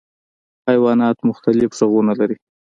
حیوانات مختلف غږونه لري.